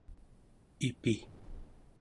ipi